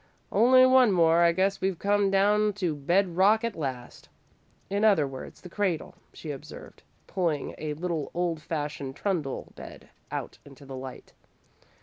"Only one more. I guess we've come down to bed rock at last." "In other words, the cradle," she observed, pulling a little old fashioned trundle bed out into the light.